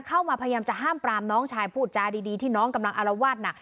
พยายามจะห้ามปรามน้องชายพูดจาดีที่น้องกำลังอารวาสน่ะ